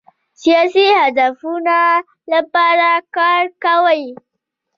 سیاسي اهدافو لپاره کار کوي.